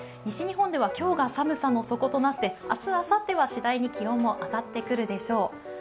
西日本では今日が寒さの底となって、明日、あさっては次第に気温も上がってくるでしょう。